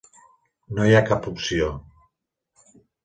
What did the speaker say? No hi ha cap opció.